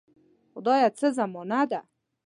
خدایه څه زمانه ده.